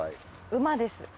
馬です。